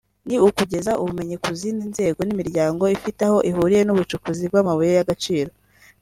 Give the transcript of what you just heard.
ni ukugeza ubumenyi ku zindi nzego n’imiryango ifite aho ihuriye n’ubucukuzi bw’amabuye y’agaciro